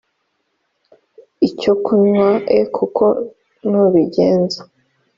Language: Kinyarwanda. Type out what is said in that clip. icyo kunywa e kuko nubigenza